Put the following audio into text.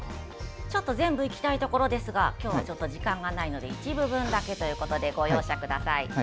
全部いきたいところですが今日は時間がないので一部分だけということでご容赦ください。